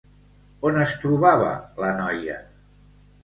On es trobava la noia?